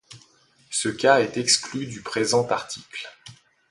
Ce cas est exclu du présent article.